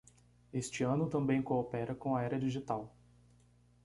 Este ano também coopera com a era digital